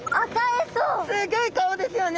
すギョい顔ですよね。